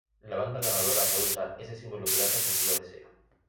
La banda ganadora puede usar ese símbolo pirata si así lo desea.